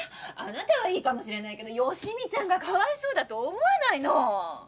あなたはいいかもしれないけど好美ちゃんがかわいそうだと思わないの？